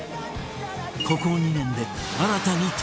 ここ２年で新たに登場